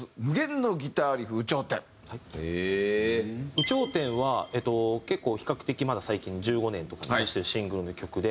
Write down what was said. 『有頂天』は結構比較的まだ最近の１５年とかに出してるシングルの曲で。